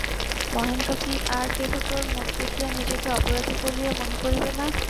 মহেন্দ্র কি আর-কেহ তোর মুখ দেখিয়া নিজেকে অপরাধী বলিয়া মনে করিবে না।